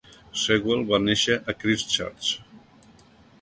Sewell va néixer a Christchurch.